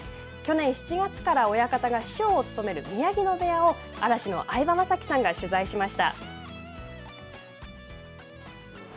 去年７月から親方が師匠を務める宮城野部屋を嵐の嵐の相葉雅紀さんが取材しました。